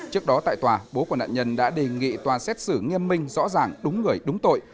trước đó tại tòa bố của nạn nhân đã đề nghị tòa xét xử nghiêm minh rõ ràng đúng người đúng tội